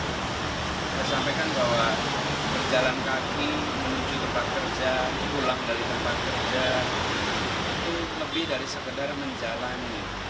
saya sampaikan bahwa berjalan kaki menuju tempat kerja pulang dari tempat kerja itu lebih dari sekedar menjalani